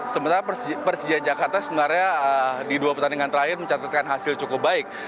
sementara persija jakarta sebenarnya di dua pertandingan terakhir mencatatkan hasil cukup baik